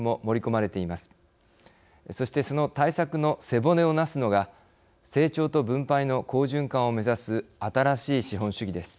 そしてその対策の背骨をなすのが成長と分配の好循環を目指す新しい資本主義です。